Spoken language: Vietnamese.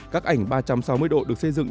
các ảnh ba trăm sáu mươi độ được xây dựng